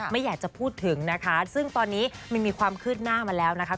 ไม่อยากจะพูดถึงนะคะซึ่งตอนนี้มันมีความคืบหน้ามาแล้วนะคะ